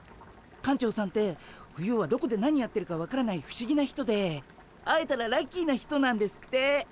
館長さんって冬はどこで何やってるか分からない不思議な人で会えたらラッキーな人なんですって。